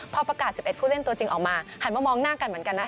พอประกาศ๑๑ผู้เล่นตัวจริงออกมาหันมามองหน้ากันเหมือนกัน